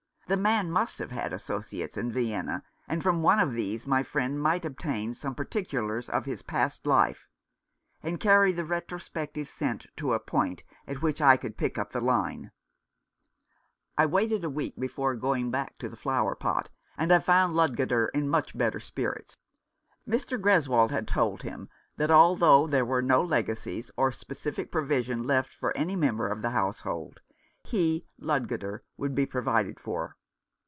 The man must have had associates in Vienna, and from one of these my friend might obtain some particulars of his past life, and carry the retrospective scent to a point at which I could pick up the line. I waited a week before going back to the 268 Mr. Faunce continues. Flowerpot, and I found Ludgater in much better spirits. Mr. Greswold had told him that although there were no legacies or specific provision left for any member of the household, he, Ludgater, should be provided for.